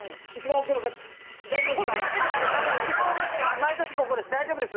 毎年ここです。